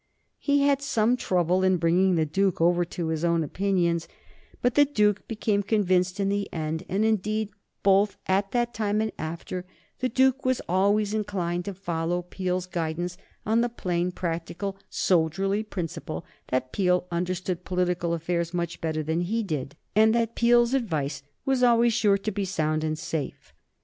He had some trouble in bringing the Duke over to his own opinions, but the Duke became convinced in the end, and, indeed, both at that time and after, the Duke was always inclined to follow Peel's guidance, on the plain, practical, soldierly principle that Peel understood political affairs much better than he did, and that Peel's advice was always sure to be sound and safe.